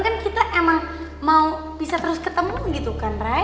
kan kita emang mau bisa terus ketemu gitu kan ry